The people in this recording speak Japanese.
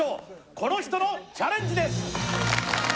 この人のチャレンジです！